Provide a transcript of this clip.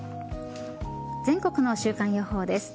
全国の週間予報です。